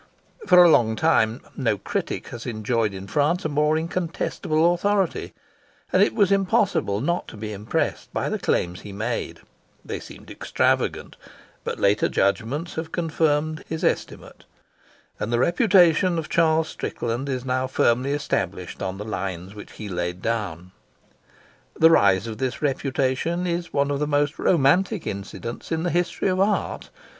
For a long time no critic has enjoyed in France a more incontestable authority, and it was impossible not to be impressed by the claims he made; they seemed extravagant; but later judgments have confirmed his estimate, and the reputation of Charles Strickland is now firmly established on the lines which he laid down. The rise of this reputation is one of the most romantic incidents in the history of art.